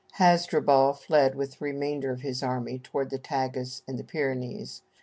Hasdrubal fled with the remainder of his army toward the Tagus and the Pyrenees.